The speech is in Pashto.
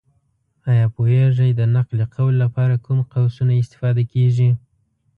ایا پوهېږې! د نقل قول لپاره کوم قوسونه استفاده کېږي؟